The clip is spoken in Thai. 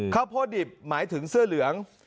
ข้าวโพดดิบหมายถึงเสื้อเหลือง